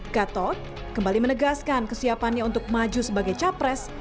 gatot kembali menegaskan kesiapannya untuk maju sebagai capres